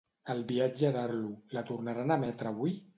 "El viatge d'Arlo", la tornaran a emetre avui?